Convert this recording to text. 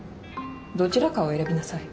どちらかを選びなさい